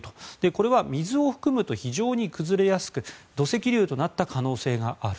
これは水を含むと非常に崩れやすく土石流となった可能性がある。